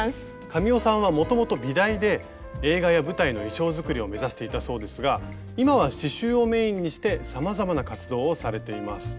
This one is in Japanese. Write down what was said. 神尾さんはもともと美大で映画や舞台の衣装作りを目指していたそうですが今は刺しゅうをメインにしてさまざまな活動をされています。